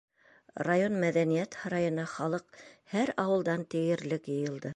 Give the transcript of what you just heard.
Район мәҙәниәт һарайына халыҡ һәр ауылдан тиерлек йыйылды.